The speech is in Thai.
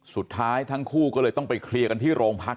สุดท้ายทั้งคู่ก็เลยต้องไปเคลียร์กันที่โรงพัก